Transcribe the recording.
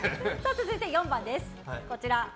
続いて、４番です。